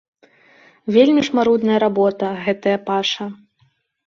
Вельмі ж марудная работа, гэтая паша.